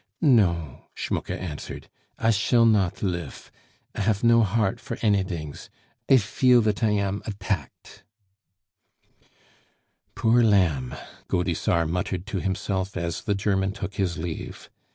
"No," Schmucke answered. "I shall not lif.... I haf no heart for anydings; I feel that I am attacked " "Poor lamb!" Gaudissart muttered to himself as the German took his leave.